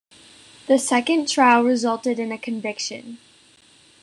The second trial resulted in a conviction.